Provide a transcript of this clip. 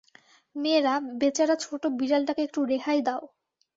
মেয়েরা, বেচারা ছোট বিড়ালটাকে একটু রেহাই দাও।